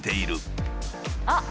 あっ！